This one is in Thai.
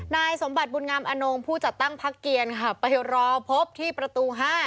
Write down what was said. นายสมบัติบุญงามอนงผู้จัดตั้งพักเกียรค่ะไปรอพบที่ประตู๕